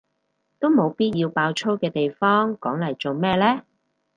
都冇必要爆粗嘅地方講嚟做咩呢？